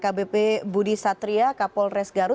kbp budi satria kapol resgaru